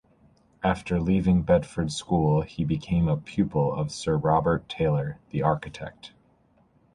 After leaving Bedford School he became a pupil of Sir Robert Taylor the architect.